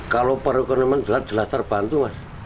kalau perekonomian jelas jelas terbantu mas